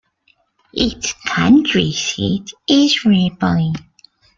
Its county seat is Ripley.